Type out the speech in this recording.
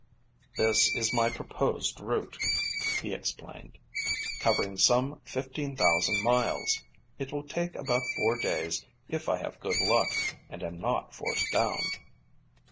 "This is my proposed route," he explained, "covering some 15,000 miles. It will take about four days if I have good luck and am not forced down."